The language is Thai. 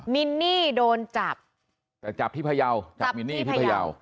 มินนี่โดนจับแต่จับที่พยาวจับมินนี่ที่พยาว